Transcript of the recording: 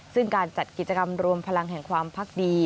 ซึ่งการจัดกิจกรรมรวมพลังแห่งความพักดี